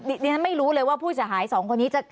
ดิฉันไม่รู้เลยว่าผู้เสียหาย๒คนนี้